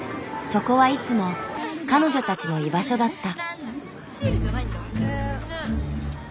そこはいつも彼女たちの居場所だった。